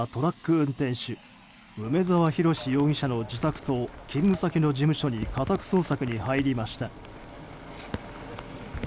運転手梅沢洋容疑者の自宅と勤務先の事務所に家宅捜索に入りました。